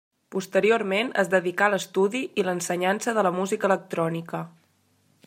Posteriorment es dedicà a l'estudi i l'ensenyança de la Música electrònica.